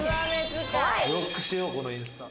ブロックしよう、このインスタ。